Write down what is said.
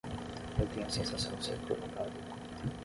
Eu tenho a sensação de ser provocado